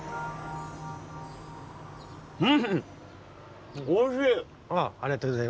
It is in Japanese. うんおいしい！